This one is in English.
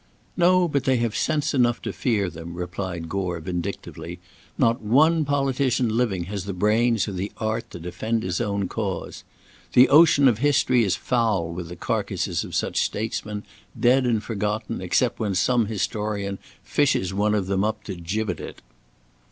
"No, but they have sense enough to fear them," replied Gore vindictively; "not one politician living has the brains or the art to defend his own cause. The ocean of history is foul with the carcases of such statesmen, dead and forgotten except when some historian fishes one of them up to gibbet it."